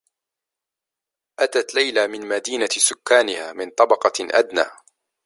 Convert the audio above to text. أتت ليلى من مدينة سكّانها من طبقة أدنى.